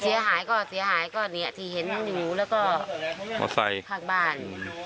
เสียหายก็เสียหายก็เนี่ยที่เห็นอยู่แล้วก็มอไซค์ข้างบ้าน